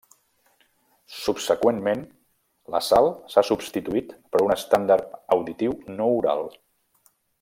Subseqüentment, la sal s'ha substituït per un estàndard auditiu no oral.